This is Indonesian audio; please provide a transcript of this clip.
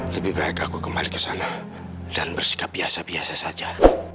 lebih baik aku kembali ke sana dan bersikap biasa biasa saja